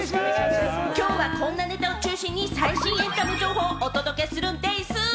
今日はこんなネタを中心に最新エンタメ情報をお届けするんでぃす！